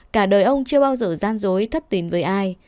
cả đời ông chưa bao giờ gian dối thất tin với ai